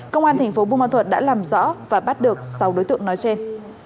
công an thành phố bumal thuật đã làm rõ và bắt được sáu đối tượng nói trên